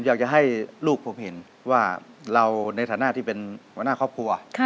อยากจะให้ลูกผมเห็นว่าเราในฐานะที่เป็นหัวหน้าครอบครัว